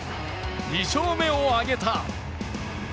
２勝目を挙げた。